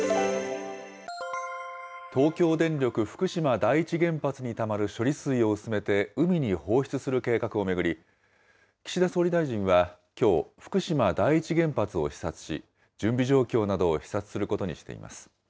東京電力福島第一原発にたまる処理水を薄めて、海に放出する計画を巡り、岸田総理大臣はきょう、福島第一原発を視察し、準備状況などを視察することにしています。